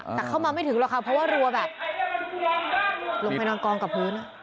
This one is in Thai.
แล้วเข้ามาไม่ถึงแล้วค่ะเพราะว่ารั้วลงไปด่างกองกับพื้นน่ะ